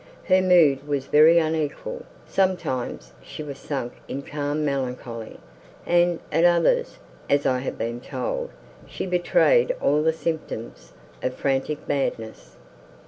Her mood was very unequal; sometimes she was sunk in calm melancholy, and, at others, as I have been told, she betrayed all the symptoms of frantic madness.